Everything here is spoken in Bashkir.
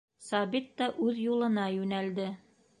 Сабит та үҙ юлына йүнәлде.